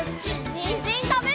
にんじんたべるよ！